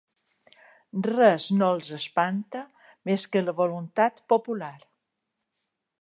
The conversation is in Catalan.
Res no els espanta més que la voluntat popular.